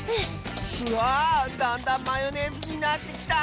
わあだんだんマヨネーズになってきた！